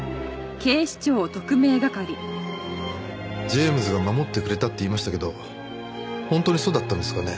ジェームズが守ってくれたって言いましたけど本当にそうだったんですかね？